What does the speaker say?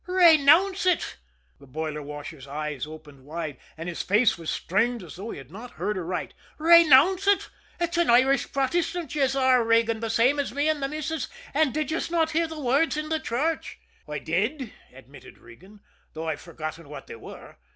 "Raynownce ut!" The boiler washer's eyes opened wide, and his face was strained as though he had not heard aright. "Raynownce ut! Ut's an Irish Protystant yez are, Regan, the same as me an' the missus, an' did yez not say the words in the church!" "I did," admitted Regan; "though I've forgotten what they were.